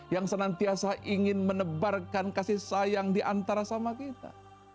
yang senantiasa ingin menebarkan kasih sayang diantara sama kita